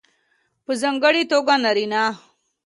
په ځانګړې توګه نارینه